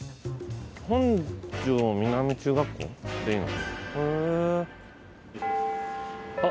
本荘南中学校でいいの？